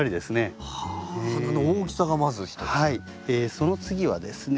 その次はですね